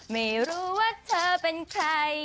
ไม่รู้ว่าเธอเป็นใคร